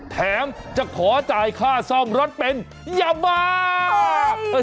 แถมจะขอจ่ายค่าซ่อมรถเป็นยาบ้า